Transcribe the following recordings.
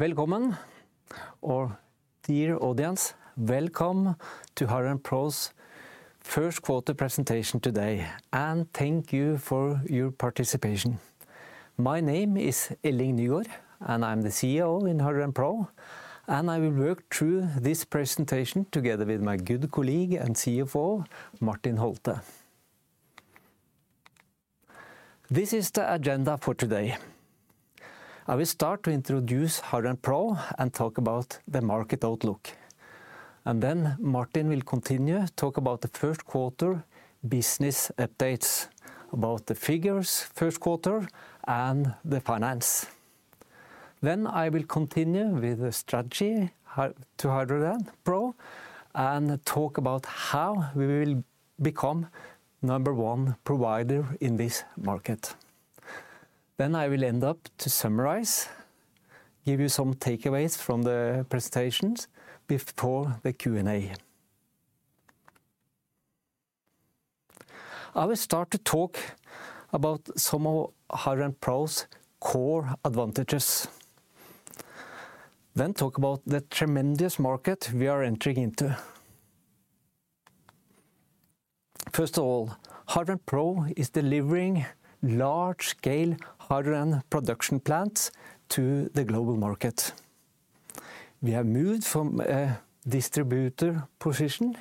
Welcome. Our dear audience, welcome to HydrogenPro's First Quarter Presentation today, and thank you for your participation. My name is Elling Nygaard, and I'm the CEO in HydrogenPro, and I will work through this presentation together with my good colleague and CFO, Martin Holtet. This is the agenda for today. I will start to introduce HydrogenPro and talk about the market outlook. Martin will continue, talk about the first quarter business updates, about the figures first quarter, and the finance. I will continue with the strategy to HydrogenPro and talk about how we will become number one provider in this market. I will end up to summarize, give you some takeaways from the presentations before the Q&A. I will start to talk about some of HydrogenPro's core advantages, then talk about the tremendous market we are entering into. First of all, HydrogenPro is delivering large scale hydrogen production plants to the global market. We have moved from a distributor position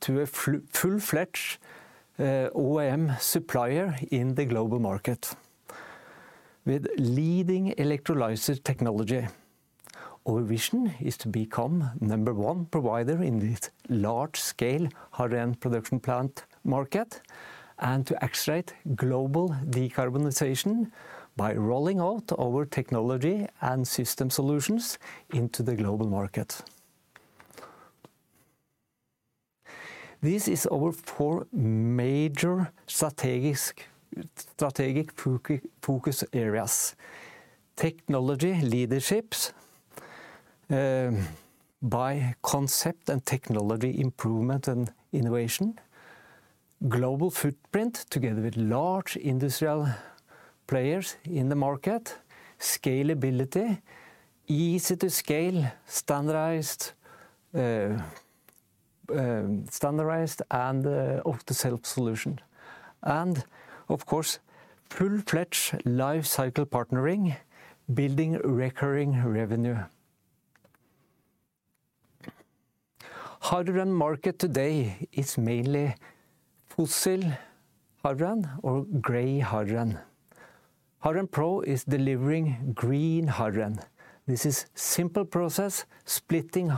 to a full-fledged OEM supplier in the global market. With leading electrolysis technology, our vision is to become number one provider in this large scale hydrogen production plant market and to accelerate global decarbonization by rolling out our technology and system solutions into the global market. This is our four major strategic focus areas. Technology leadership by concept and technology improvement and innovation. Global footprint together with large industrial players in the market. Scalability, easy to scale, standardized and off-the-shelf solution. Of course, full-fledged life cycle partnering, building recurring revenue. Hydrogen market today is mainly fossil hydrogen or gray hydrogen. HydrogenPro is delivering green hydrogen. This is simple process, splitting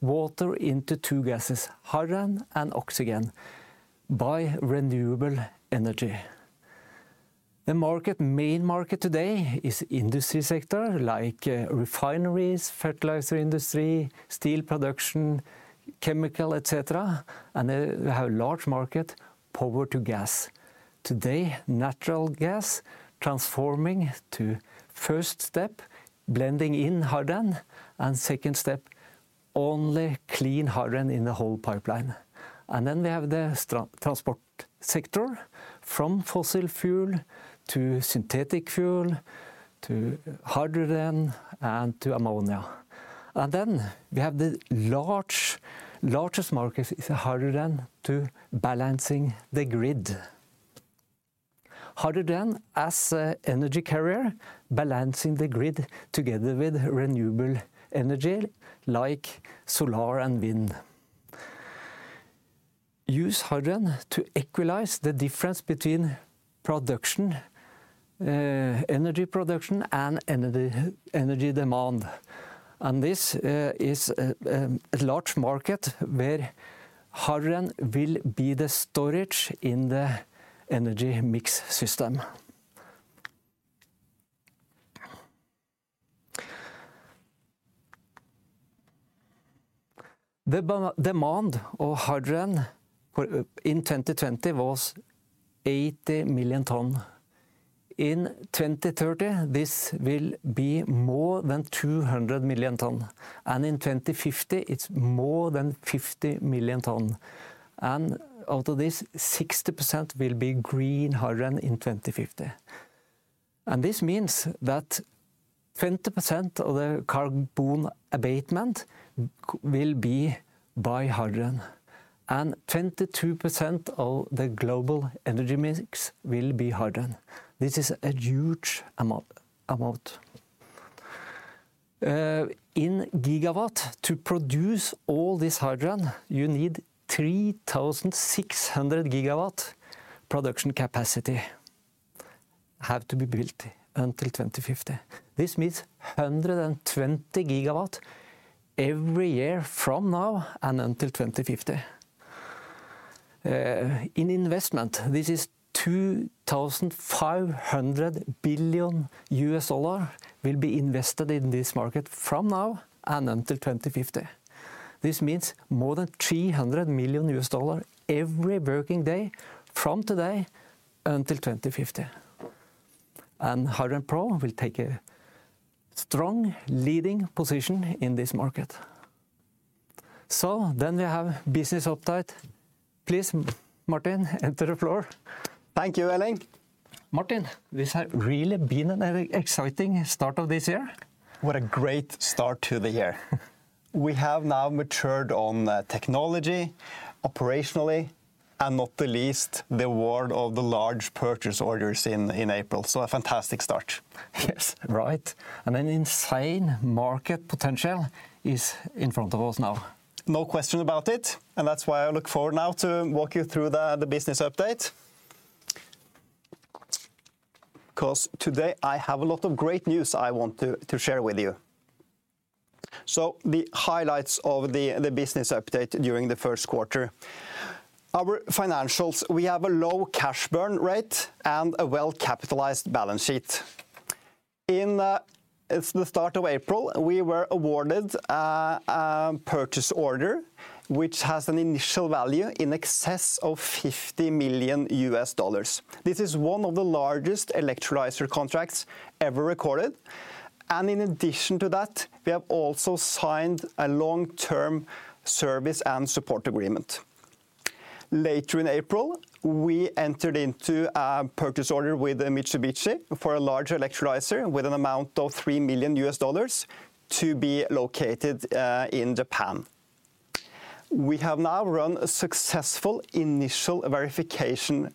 water into two gases, hydrogen and oxygen, by renewable energy. The market, main market today is industry sector like refineries, fertilizer industry, steel production, chemical, et cetera, and we have large market, Power-to-Gas. Today, natural gas transforming to first step, blending in hydrogen, and second step, only clean hydrogen in the whole pipeline. We have the transport sector, from fossil fuel to synthetic fuel, to hydrogen, and to ammonia. We have the largest market is hydrogen to balancing the grid. Hydrogen as a energy carrier, balancing the grid together with renewable energy like solar and wind. Use hydrogen to equalize the difference between production, energy production and energy demand, and this is a large market where hydrogen will be the storage in the energy mix system. The demand of hydrogen for in 2020 was 80 million tons. In 2030, this will be more than 200 million tons. In 2050, it's more than 50 million tons. Out of this, 60% will be green hydrogen in 2050. This means that 20% of the carbon abatement will be by hydrogen, and 22% of the global energy mix will be hydrogen. This is a huge amount. In gigawatts, to produce all this hydrogen, you need 3,600 GW production capacity have to be built until 2050. This means 120 GW every year from now until 2050. In investment, this is $2,500 billion will be invested in this market from now until 2050. This means more than $300 million every working day from today until 2050. HydrogenPro will take a strong leading position in this market. We have business update. Please, Martin, take the floor. Thank you, Elling. Martin, this has really been an exciting start of this year. What a great start to the year. We have now matured on the technology, operationally, and not the least, the award of the large purchase orders in April. A fantastic start. Yes. Right. An insane market potential is in front of us now. No question about it, and that's why I look forward now to walk you through the business update. Because today I have a lot of great news I want to share with you. The highlights of the business update during the first quarter. Our financials, we have a low cash burn rate and a well-capitalized balance sheet. In it's the start of April, we were awarded a purchase order which has an initial value in excess of $50 million. This is one of the largest electrolyzer contracts ever recorded. In addition to that, we have also signed a long-term service and support agreement. Later in April, we entered into a purchase order with Mitsubishi for a large electrolyzer with an amount of $3 million to be located in Japan. We have now run a successful initial verification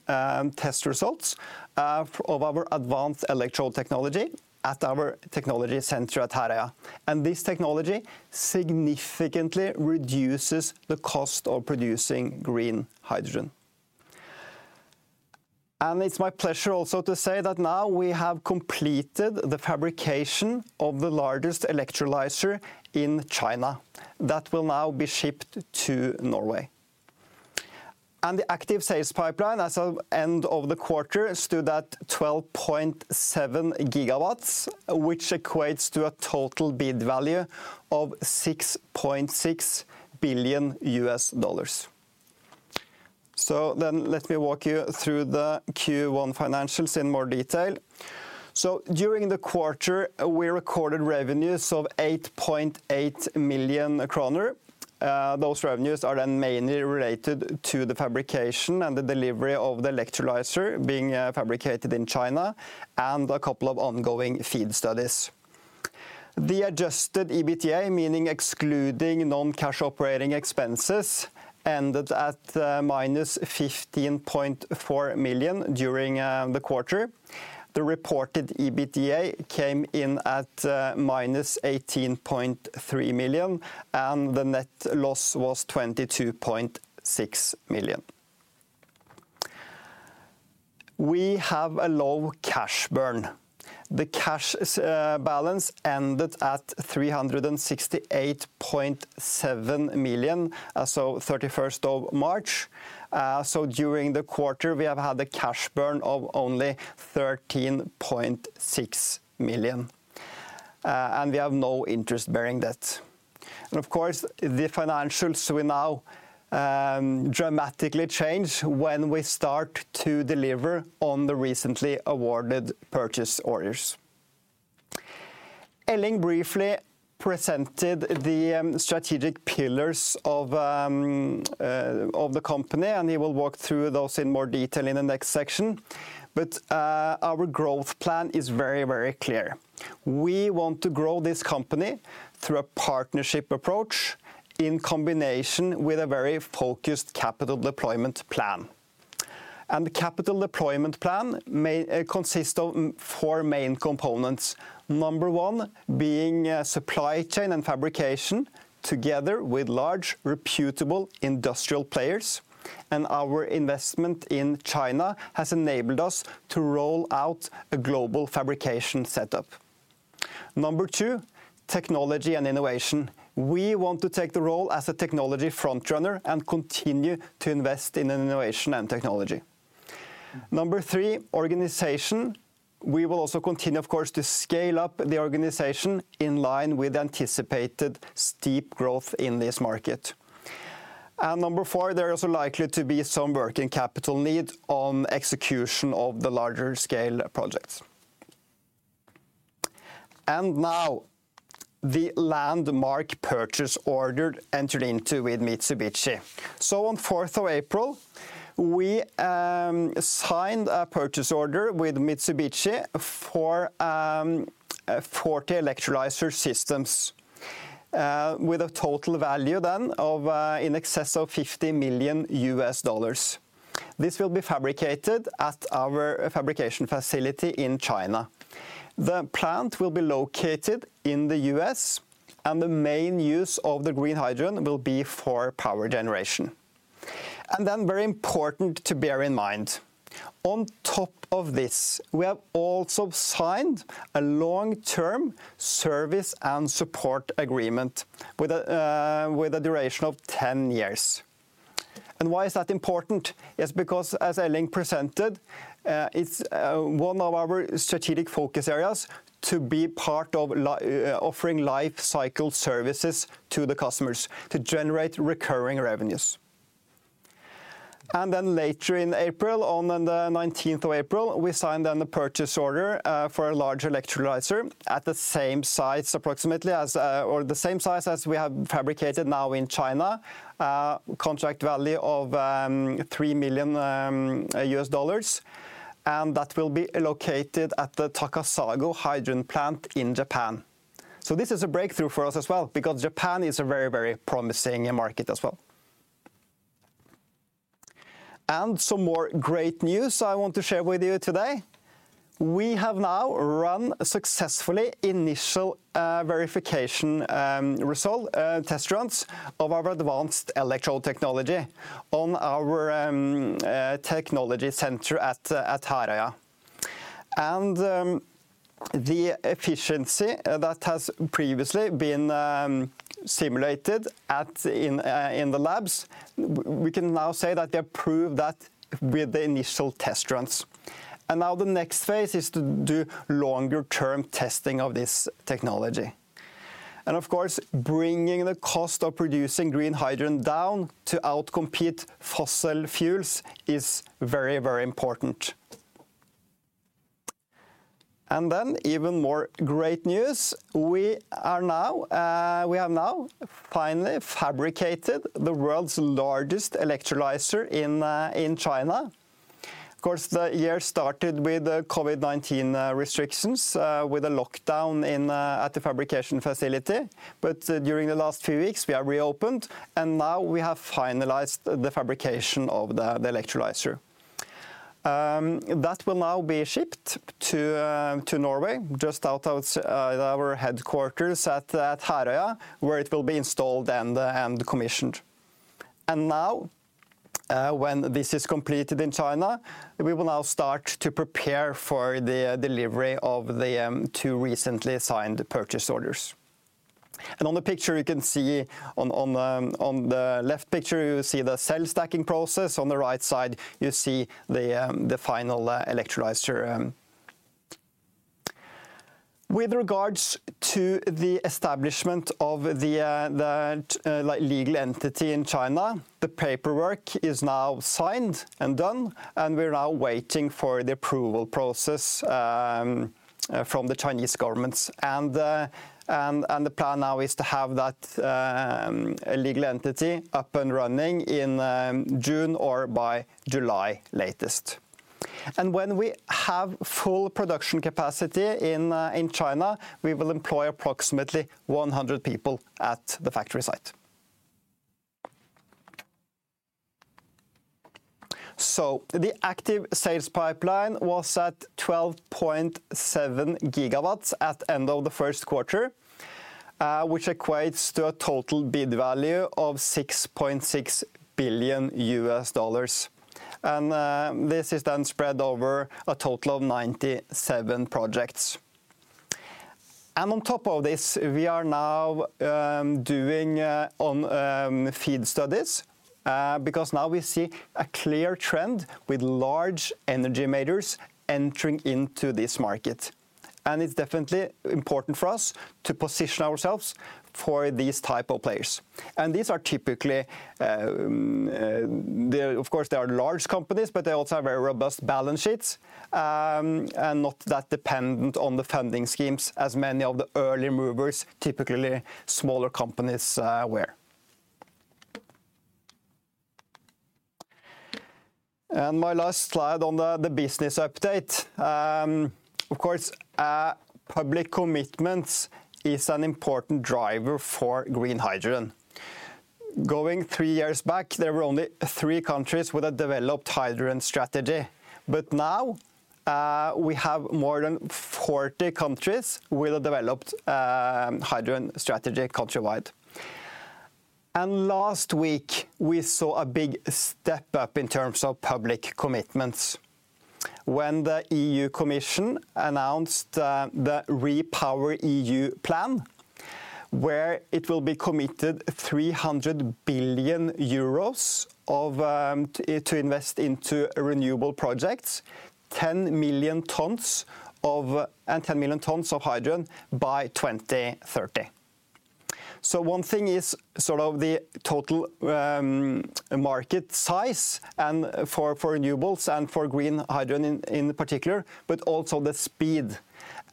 test results of our advanced electrode technology at our technology center at Herøya. This technology significantly reduces the cost of producing green hydrogen. It's my pleasure also to say that now we have completed the fabrication of the largest electrolyzer in China that will now be shipped to Norway. The active sales pipeline as of end of the quarter stood at 12.7 GW, which equates to a total bid value of $6.6 billion. Let me walk you through the Q1 financials in more detail. During the quarter, we recorded revenues of 8.8 million kroner. Those revenues are then mainly related to the fabrication and the delivery of the electrolyzer being fabricated in China and a couple of ongoing FEED studies. The adjusted EBITDA, meaning excluding non-cash operating expenses, ended at -15.4 million during the quarter. The reported EBITDA came in at -18.3 million, and the net loss was NOK 22.6 million. We have a low cash burn. The cash balance ended at 368.7 million, as of 31st of March. During the quarter, we have had a cash burn of only 13.6 million, and we have no interest bearing debt. Of course, the financials will now dramatically change when we start to deliver on the recently awarded purchase orders. Elling briefly presented the strategic pillars of the company, and he will walk through those in more detail in the next section. Our growth plan is very, very clear. We want to grow this company through a partnership approach in combination with a very focused capital deployment plan. The capital deployment plan may consist of four main components. Number one being supply chain and fabrication together with large reputable industrial players. Our investment in China has enabled us to roll out a global fabrication setup. Number two, technology and innovation. We want to take the role as a technology front-runner and continue to invest in innovation and technology. Number three, organization. We will also continue, of course, to scale up the organization in line with anticipated steep growth in this market. Number four, there is likely to be some working capital need on execution of the larger scale projects. Now, the landmark purchase order entered into with Mitsubishi. On 4th of April, we signed a purchase order with Mitsubishi for 40 electrolyzer systems with a total value then of in excess of $50 million. This will be fabricated at our fabrication facility in China. The plant will be located in the U.S., and the main use of the green hydrogen will be for power generation. Very important to bear in mind, on top of this, we have also signed a long-term service and support agreement with a duration of 10 years. Why is that important? It's because, as Elling presented, it's one of our strategic focus areas to be part of offering life cycle services to the customers to generate recurring revenues. Later in April, on the 19th of April, we signed the purchase order for a large electrolyzer approximately the same size as we have fabricated now in China. Contract value of $3 million, and that will be located at the Takasago hydrogen plant in Japan. This is a breakthrough for us as well because Japan is a very, very promising market as well. Some more great news I want to share with you today. We have now run successfully initial verification result test runs of our advanced electrode technology on our technology center at Herøya. The efficiency that has previously been simulated in the labs, we can now say that they have proved that with the initial test runs. Now the next phase is to do longer term testing of this technology. Of course, bringing the cost of producing green hydrogen down to outcompete fossil fuels is very, very important. Even more great news. We have now finally fabricated the world's largest electrolyzer in China. Of course, the year started with the COVID-19 restrictions with a lockdown at the fabrication facility. During the last few weeks we have reopened, and now we have finalized the fabrication of the electrolyzer. That will now be shipped to our headquarters at Herøya, Norway, where it will be installed and commissioned. When this is completed in China, we will now start to prepare for the delivery of the two recently signed purchase orders. On the picture you can see, on the left you see the cell stacking process. On the right side you see the final electrolyzer. With regards to the establishment of the legal entity in China, the paperwork is now signed and done, and we're now waiting for the approval process from the Chinese governments. The plan now is to have that legal entity up and running in June or by July latest. When we have full production capacity in China, we will employ approximately 100 people at the factory site. The active sales pipeline was at 12.7 GW at end of the first quarter, which equates to a total bid value of $6.6 billion. This is then spread over a total of 97 projects. On top of this, we are now doing FEED studies, because now we see a clear trend with large energy majors entering into this market. It's definitely important for us to position ourselves for these type of players. These are typically the. Of course, they are large companies, but they also have very robust balance sheets and not that dependent on the funding schemes as many of the early movers, typically smaller companies, were. My last slide on the business update. Of course, public commitments is an important driver for green hydrogen. Going three years back, there were only three countries with a developed hydrogen strategy. Now, we have more than 40 countries with a developed hydrogen strategy countrywide. Last week we saw a big step up in terms of public commitments when the European Commission announced the REPowerEU Plan, where it will be committed EUR 300 billion to invest into renewable projects, 10 million tons and 10 million tons of hydrogen by 2030. One thing is sort of the total market size and for renewables and for green hydrogen in particular, but also the speed.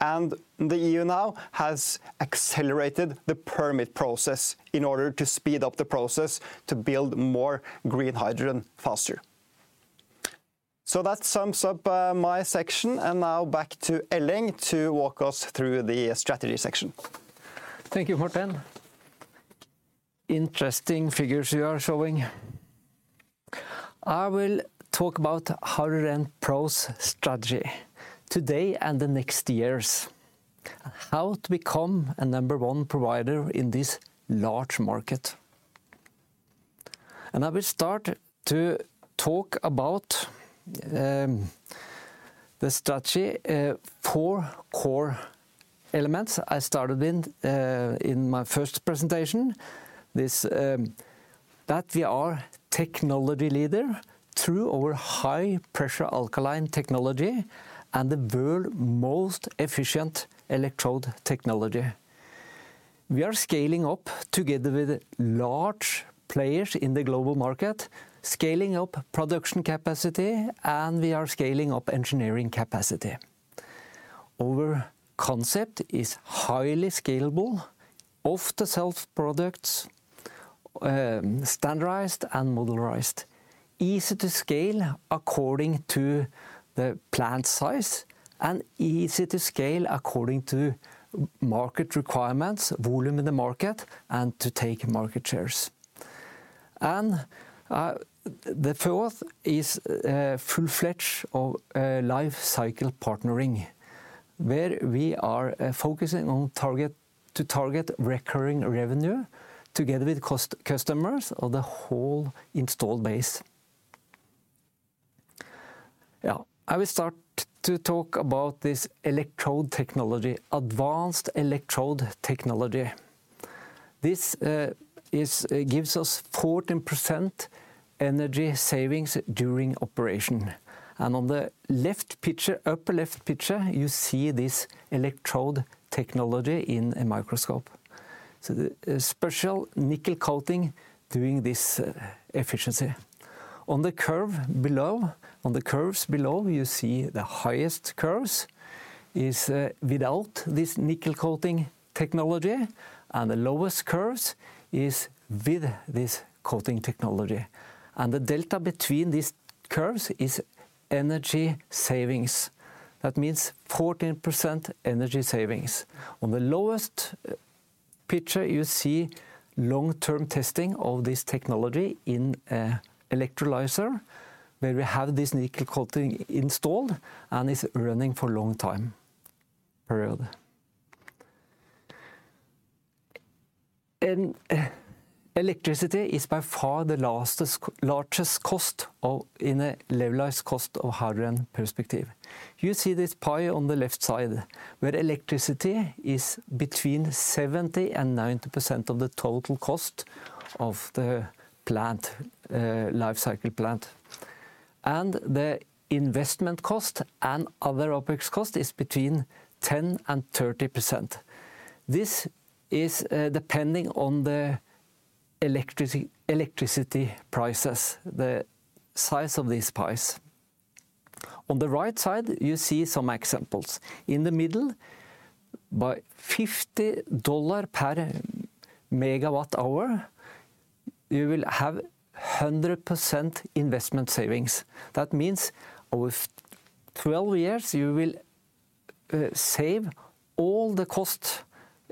The EU now has accelerated the permit process in order to speed up the process to build more green hydrogen faster. That sums up my section, and now back to Elling to walk us through the strategy section. Thank you, Martin. Interesting figures you are showing. I will talk about HydrogenPro's strategy today and the next years. How to become a number one provider in this large market. I will start to talk about the strategy, four core elements I started in my first presentation. This, that we are technology leader through our high pressure alkaline technology and the world's most efficient electrode technology. We are scaling up together with large players in the global market, scaling up production capacity, and we are scaling up engineering capacity. Our concept is highly scalable, off-the-shelf products, standardized and modularized, easy to scale according to the plant size and easy to scale according to market requirements, volume in the market, and to take market shares. The fourth is full-fledged life cycle partnering, where we are focusing on targeting recurring revenue together with customers of the whole installed base. Yeah. I will start to talk about this electrode technology, advanced electrode technology. This gives us 14% energy savings during operation. On the left picture, upper left picture, you see this electrode technology in a microscope. So, a special nickel coating doing this efficiency. On the curve below, on the curves below, you see the highest curves is without this nickel coating technology, and the lowest curves is with this coating technology. The delta between these curves is energy savings. That means 14% energy savings. On the lowest picture, you see long-term testing of this technology in an electrolyzer, where we have this nickel coating installed and is running for long time period. Electricity is by far the largest cost in a Levelized Cost of Hydrogen perspective. You see this pie on the left side, where electricity is between 70% and 90% of the total cost of the plant, life cycle plant. The investment cost and other OPEX cost is between 10% and 30%. This is depending on the electricity prices, the size of these pies. On the right side, you see some examples. In the middle, by $50 per megawatt hour, you will have 100% investment savings. That means over 12 years you will save all the cost,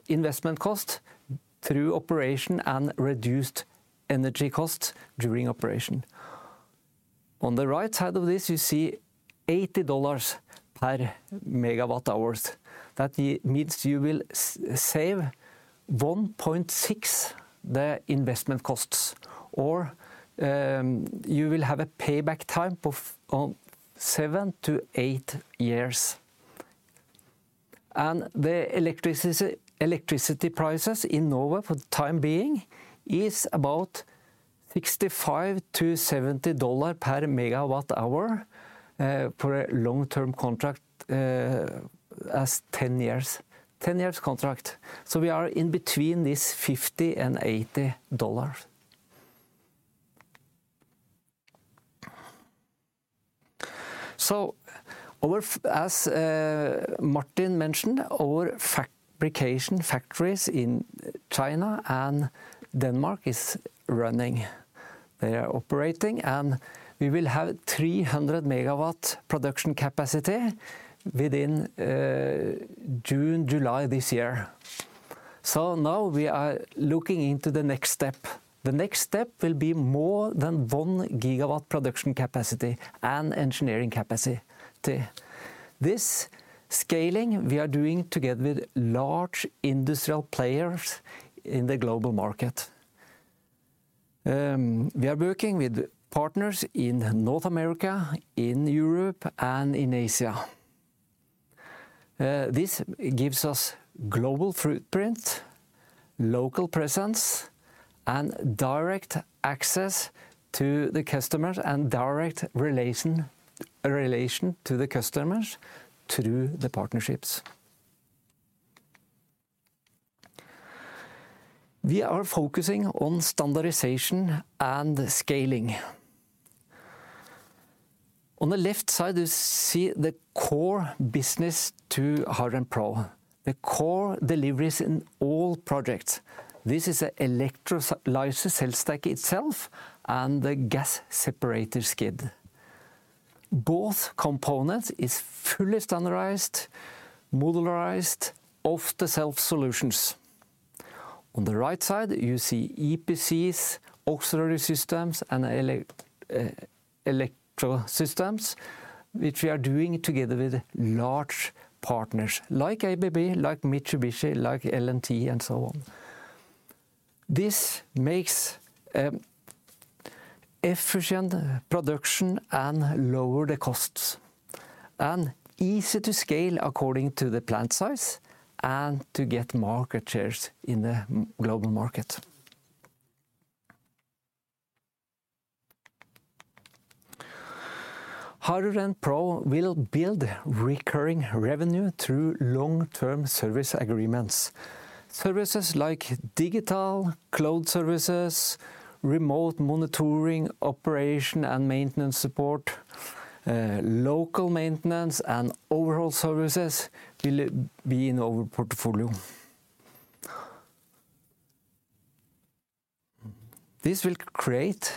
investment cost through operation and reduced energy costs during operation. On the right side of this, you see $80 per MWh. That means you will save 1.6 the investment costs or, you will have a payback time of seven to eight years. The electricity prices in Norway for the time being is about $65-$70 per MWh for a long-term contract as 10 years contract. We are in between this $50 and $80. As Martin mentioned, our fabrication factories in China and Denmark is running. They are operating, and we will have 300 MW production capacity within June, July this year. Now we are looking into the next step. The next step will be more than 1 GW production capacity and engineering capacity. This scaling we are doing together with large industrial players in the global market. We are working with partners in North America, in Europe, and in Asia. This gives us global footprint, local presence and direct access to the customers and direct relation to the customers through the partnerships. We are focusing on standardization and scaling. On the left side, you see the core business to HydrogenPro, the core deliveries in all projects. This is a electrolysis cell stack itself and the gas separation skid. Both components is fully standardized, modularized, off-the-shelf solutions. On the right side, you see EPCs, auxiliary systems and electro systems, which we are doing together with large partners, like ABB, like Mitsubishi, like L&T and so on. This makes a efficient production and lower the costs, and easy to scale according to the plant size and to get market shares in the global market. HydrogenPro will build recurring revenue through long-term service agreements. Services like digital cloud services, remote monitoring, operation and maintenance support, local maintenance and overall services will be in our portfolio. This will create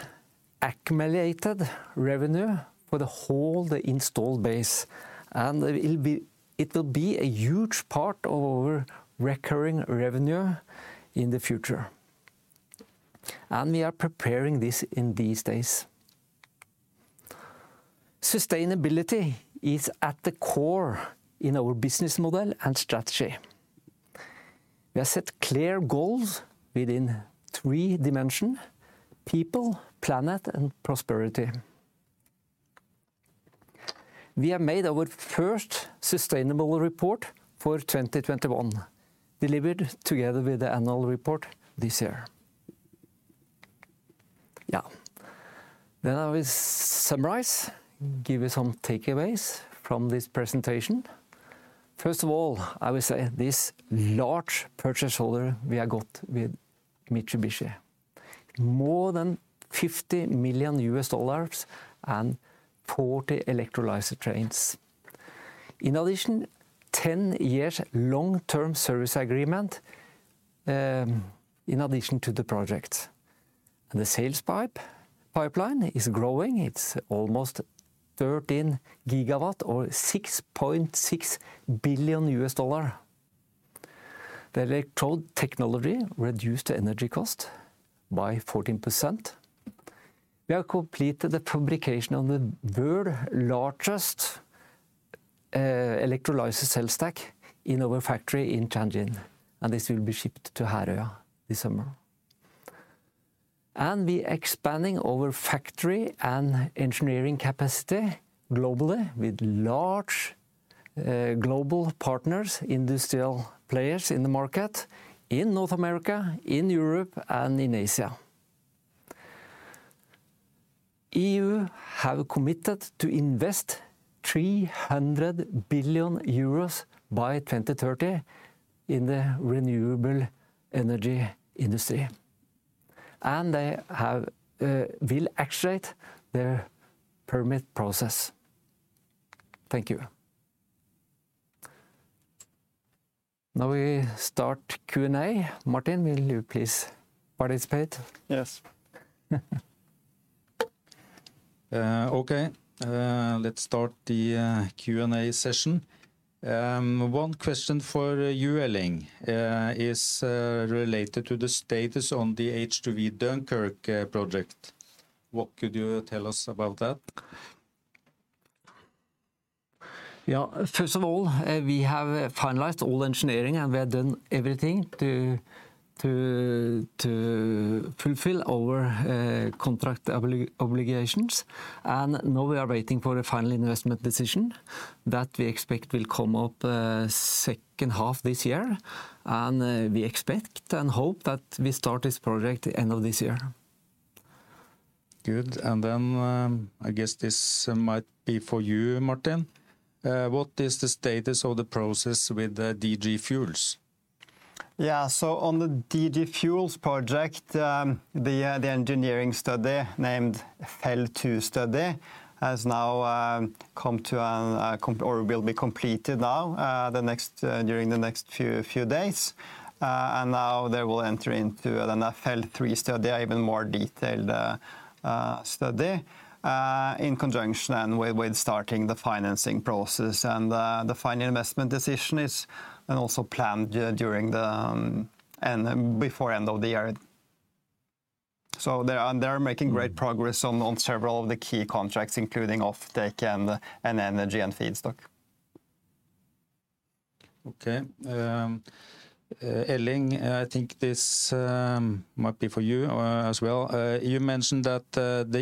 accumulated revenue for the whole installed base, and it will be a huge part of our recurring revenue in the future and we are preparing this in these days. Sustainability is at the core in our business model and strategy. We have set clear goals within three dimension, people, planet and prosperity. We have made our first sustainable report for 2021, delivered together with the annual report this year. Yeah. I will summarize, give you some takeaways from this presentation. First of all, I will say this large purchase order we have got with Mitsubishi, more than $50 million and 40 electrolyzer trains. In addition, 10-year long-term service agreement, in addition to the project. The sales pipeline is growing. It's almost 13 GW or $6.6 billion. The electrode technology reduced the energy cost by 14%. We have completed the fabrication on the world's largest electrolysis cell stack in our factory in Tianjin, and this will be shipped to Herøya this summer. We're expanding our factory and engineering capacity globally with large global partners, industrial players in the market in North America, in Europe and in Asia. EU have committed to invest 300 billion euros by 2030 in the renewable energy industry, and they will accelerate their permit process. Thank you. Now we start Q&A. Martin, will you please participate? Yes. Okay, let's start the Q&A session. One question for you, Elling, is related to the status on the H2V Dunkirk project. What could you tell us about that? Yeah. First of all, we have finalized all engineering and we have done everything to fulfill our contract obligations, and now we are waiting for a final investment decision that we expect will come up second half this year, and we expect and hope that we start this project the end of this year. Good. I guess this might be for you, Martin. What is the status of the process with the DG Fuels? Yeah. On the DG Fuels project, the engineering study named FEL2 study has now or will be completed now during the next few days. Now they will enter into then a FEL3 study, even more detailed study in conjunction and with starting the financing process and the final investment decision is also planned before end of the year. They're making great progress on several of the key contracts including offtake and energy and feedstock. Okay. Elling, I think this might be for you as well. You mentioned that an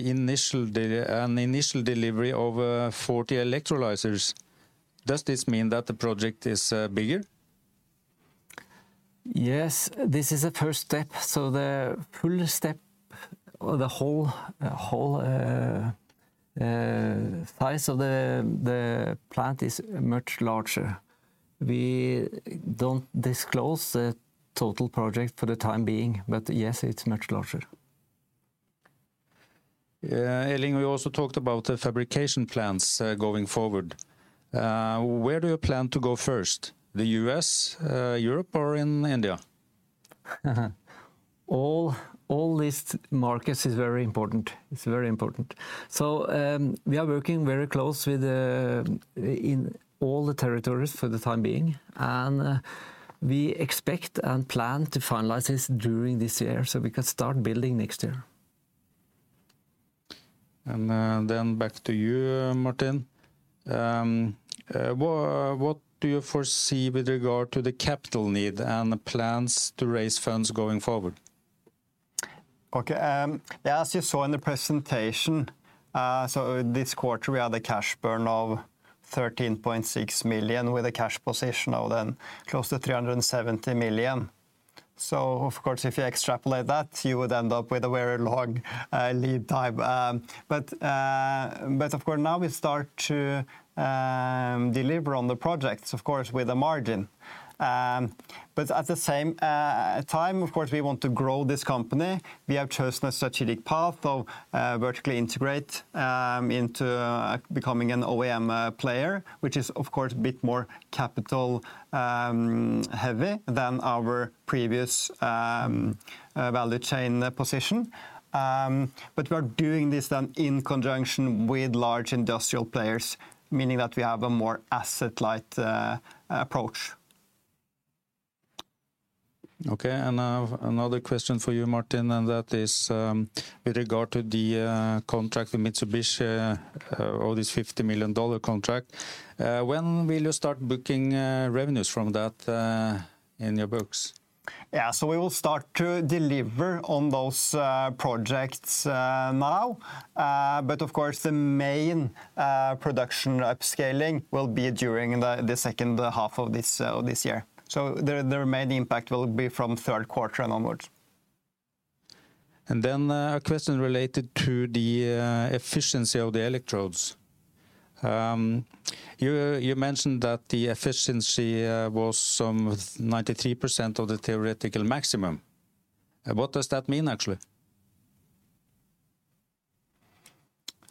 initial delivery of 40 electrolyzers. Does this mean that the project is bigger? Yes. This is a first step, so the full step or the whole size of the plant is much larger. We don't disclose the total project for the time being, but yes, it's much larger. Elling, we also talked about the fabrication plans, going forward. Where do you plan to go first? The U.S., Europe or in India? All these markets is very important. It's very important. We are working very close with in all the territories for the time being, and we expect and plan to finalize this during this year so we can start building next year. back to you, Martin. What do you foresee with regard to the capital need and the plans to raise funds going forward? Okay. As you saw in the presentation, this quarter we had a cash burn of 13.6 million, with a cash position of then close to 370 million. Of course, if you extrapolate that, you would end up with a very long lead time. Of course, now we start to deliver on the projects, of course, with a margin. At the same time, of course, we want to grow this company. We have chosen a strategic path of vertically integrate into becoming an OEM player, which is of course a bit more capital heavy than our previous value chain position. We are doing this then in conjunction with large industrial players, meaning that we have a more asset light approach. Okay. Another question for you, Martin, and that is, with regard to the contract with Mitsubishi, or this $50 million contract. When will you start booking revenues from that, in your books? Yeah. We will start to deliver on those projects now. Of course, the main production upscaling will be during the second half of this year. The remaining impact will be from third quarter and onwards. A question related to the efficiency of the electrodes. You mentioned that the efficiency was some 93% of the theoretical maximum. What does that mean actually?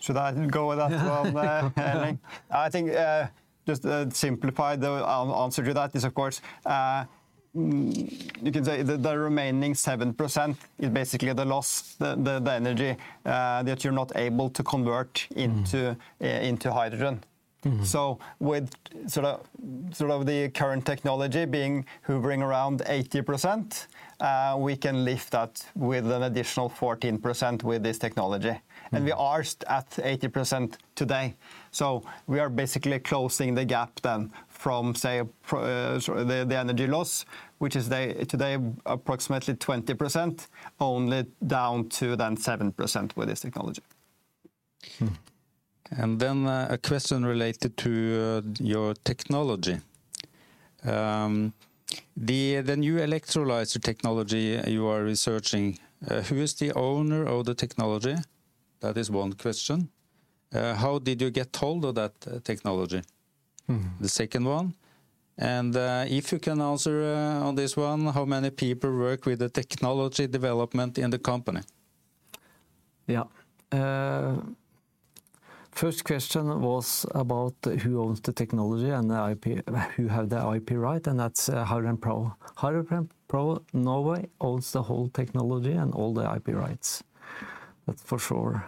Should I go with that one, Elling? I think just to simplify the answer to that is, of course, you can say the remaining 7% is basically the loss, the energy that you're not able to convert into. Mm. Into hydrogen. Mm-hmm. With sort of the current technology being hovering around 80%, we can lift that with an additional 14% with this technology. Mm. We are at 80% today. We are basically closing the gap then from, say, the energy loss, which is today approximately 20%, only down to then 7% with this technology. A question related to your technology. The new electrolyzer technology you are researching, who is the owner of the technology? That is one question. How did you get hold of that technology? Mm. The second one. If you can answer on this one, how many people work with the technology development in the company? Yeah. First question was about who owns the technology and the IP, who have the IP right, and that's HydrogenPro. HydrogenPro Norway owns the whole technology and all the IP rights. That's for sure.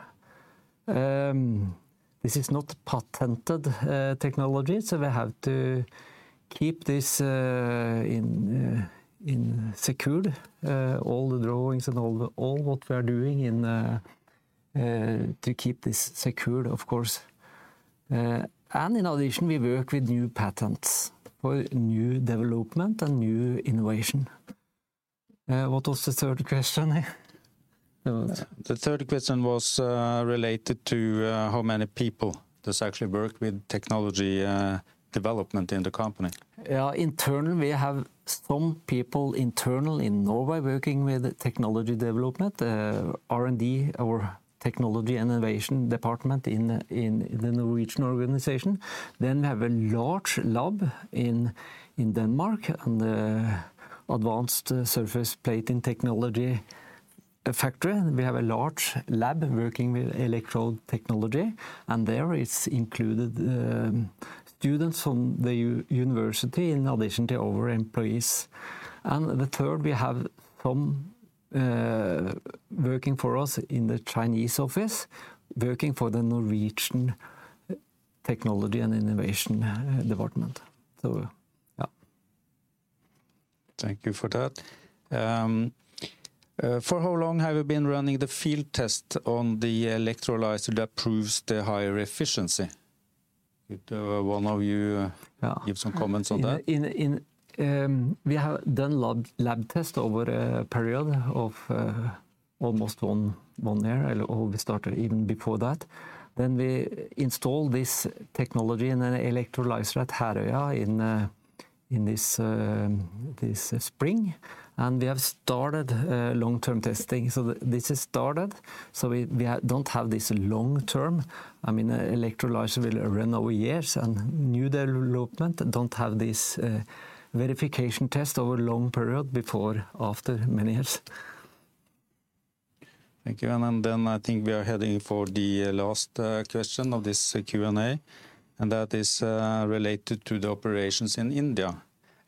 This is not patented technology, so we have to keep this secure, all the drawings and all what we are doing and to keep this secure, of course. In addition, we work with new patents for new development and new innovation. What was the third question, hey? The third question was related to how many people does actually work with technology development in the company. Yeah. Internally, we have some people internal in Norway working with technology development, R&D, our technology innovation department in the Norwegian organization. We have a large lab in Denmark and advanced surface plating technology factory. We have a large lab working with electrode technology, and there it's included, students from the university in addition to our employees. The third, we have some working for us in the Chinese office, working for the Norwegian technology and innovation department. Yeah. Thank you for that. For how long have you been running the field test on the electrolyzer that proves the higher efficiency? Could one of you- Yeah Give some comments on that? We have done lab test over a period of almost one year, or we started even before that. We installed this technology in an electrolyzer at Herøya in this spring, and we have started long-term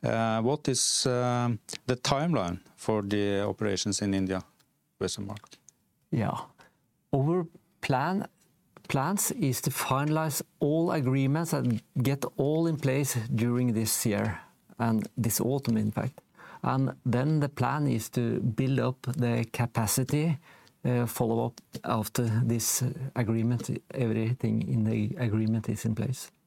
testing. This has started,